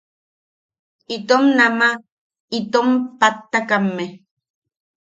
Itom nama itom pattakamme.